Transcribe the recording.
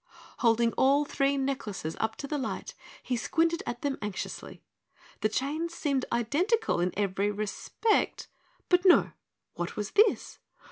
Holding all three necklaces up to the light, he squinted at them anxiously. The chains seemed identical in every respect, but no what was this?